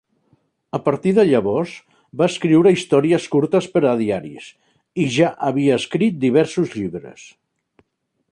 A partir de llavors, va escriure històries curtes per a diaris, i ja havia escrit diversos llibres.